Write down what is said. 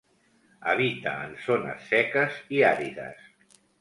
Habita en zones seques i àrides.